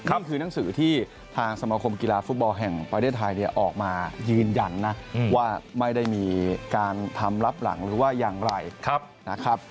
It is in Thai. นี่คือหนังสือที่ทางสมคมกีฬาฟุตบอลแห่งประเทศไทยเนี่ยออกมายืนยันนะว่าไม่ได้มีการทำรับหลังหรือว่าอย่างไรนะครับ